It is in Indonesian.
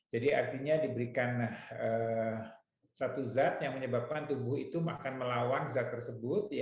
jadi artinya diberikan satu zat yang menyebabkan tubuh itu akan melawan zat tersebut